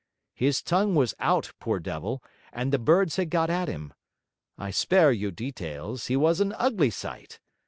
His tongue was out, poor devil, and the birds had got at him; I spare you details, he was an ugly sight!